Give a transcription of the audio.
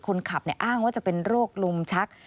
คนขับอ้างว่าจะเป็นโรคลมชัก